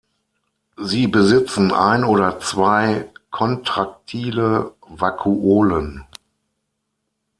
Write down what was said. Sie besitzen ein oder zwei kontraktile Vakuolen.